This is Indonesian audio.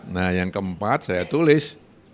nah yang keempat saya tulis